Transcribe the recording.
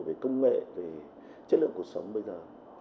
về công nghệ về chất lượng cuộc sống bây giờ